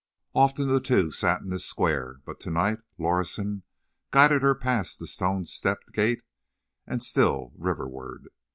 Often the two sat in this square, but to night Lorison guided her past the stone stepped gate, and still riverward.